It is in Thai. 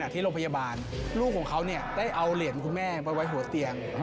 ที่โรงพยาบาลลูกของเขาได้เอาเหรียญคุณแม่ไปไว้หัวเตียง